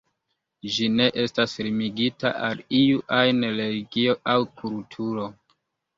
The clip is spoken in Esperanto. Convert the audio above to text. Ĝi ne estas limigita al iu ajn religio aŭ kulturo.